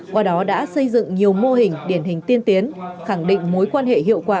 qua đó đã xây dựng nhiều mô hình điển hình tiên tiến khẳng định mối quan hệ hiệu quả